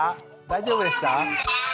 大丈夫でした？